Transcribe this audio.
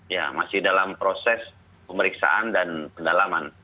ya masih dalam proses pemeriksaan dan pendalaman